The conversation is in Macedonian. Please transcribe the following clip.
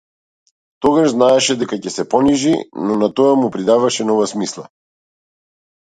Тогаш знаеше дека ќе се понижи, но на тоа му придаваше нова смисла.